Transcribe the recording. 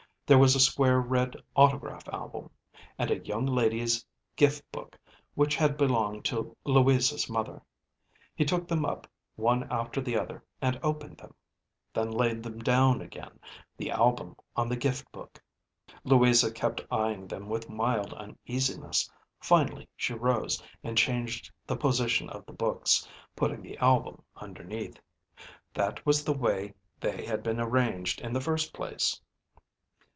There was a square red autograph album, and a Young Lady's Gift Book which had belonged to Louisa's mother. He took them up one after the other and opened them then laid them down again, the album on the Gift Book. Louisa kept eying them with mild uneasiness. Finally she rose and changed the position of the books, putting the album underneath. That was the way they had been arranged in the first place.